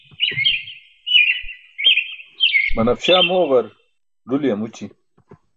Banafśa mooġar, ruli amući.